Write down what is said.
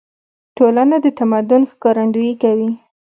ټولنه د تمدن ښکارندويي کوي.